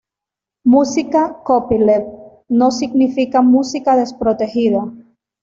Música Copyleft no significa música desprotegida.